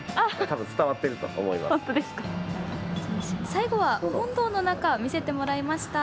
最後は本堂の中を見せてもらいました。